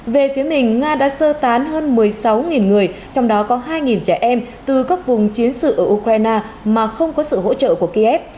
về phía mình nga đã sơ tán hơn một mươi sáu người trong đó có hai trẻ em từ các vùng chiến sự ở ukraine mà không có sự hỗ trợ của kiev